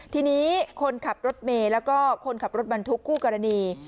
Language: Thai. ทีนี้คนขับรถเมย์แล้วก็คนขับรถบรรทุกคู่กรณี